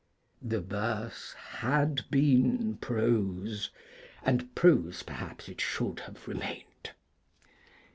The verse had been prose, and prose, perhaps, it should have remained.